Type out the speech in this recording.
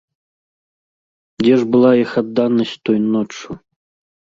Дзе ж была іх адданасць той ноччу?